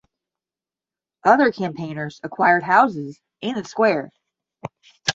Other campaigners acquired houses in the square.